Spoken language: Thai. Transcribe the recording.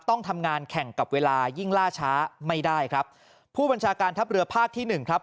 ต้องทำงานแข่งกับเวลายิ่งล่าช้าไม่ได้ครับผู้บัญชาการทัพเรือภาคที่หนึ่งครับ